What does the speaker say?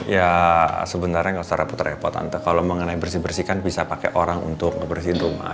ya sebenarnya nggak usah repot repot tante kalo mengenai bersih bersihkan bisa pake orang untuk bersih rumah